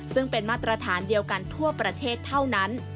ซึ่งเป็นมาตรฐานเดียวกันทั่วประเทศเท่านั้น